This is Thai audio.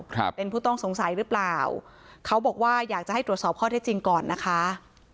ครับเป็นผู้ต้องสงสัยหรือเปล่าเขาบอกว่าอยากจะให้ตรวจสอบข้อเท็จจริงก่อนนะคะ